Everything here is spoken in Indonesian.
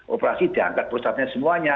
operasi diangkat proses apanya semuanya